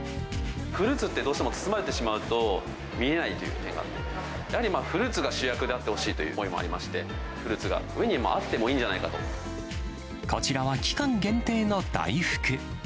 フルーツって、どうしても包まれてしまうと、見えないというか、やはりフルーツが主役であってほしいという思いもありまして、フルーツが上にこちらは期間限定の大福。